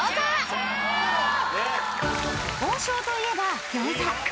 ［王将といえば餃子］